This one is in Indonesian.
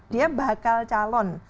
dia bakal calon